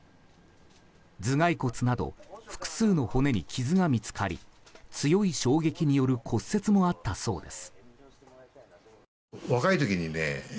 頭蓋骨など複数の骨に傷が見つかり強い衝撃による骨折もあったそうです。